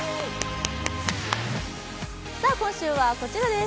今週はこちらです。